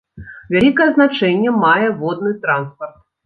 Вялікае значэнне мае водны транспарт.